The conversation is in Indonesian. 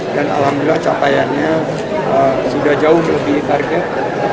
dan alhamdulillah capaiannya sudah jauh lebih target